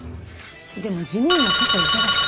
でも事務員も結構忙しくて。